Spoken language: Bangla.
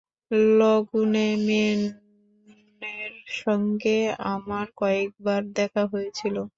লণ্ডনে মেননের সঙ্গে আমার কয়েকবার দেখা হয়েছিল।